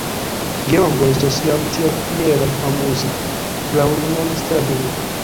Georgo estos jam tiel fiera amuzi fraŭlinon Stella dume.